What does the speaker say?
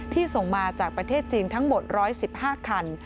ส่งมาจากประเทศจีนทั้งหมด๑๑๕คัน